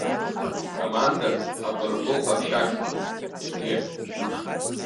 Командак Апырпыл ҟаԥшь ахьӡын, егьи…